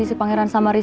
si pangeran gak ada